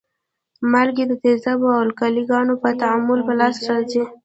مالګې د تیزابو او القلي ګانو په تعامل په لاس راځي.